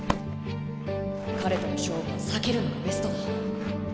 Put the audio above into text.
彼との勝負は避けるのがベストだ。